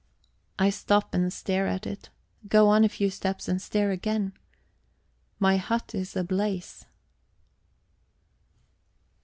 I stop and stare at it, go on a few steps and stare again. My hut is ablaze.